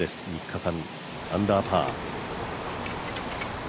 ３日間、アンダーパー。